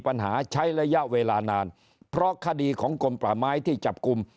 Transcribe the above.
ปัญหาใช้ระยะเวลานานเพราะคดีของกลมป่าไม้ที่จับกลุ่ม